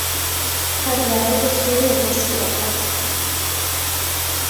هەر لایەو بەشێوەیەک وەسفی دەکات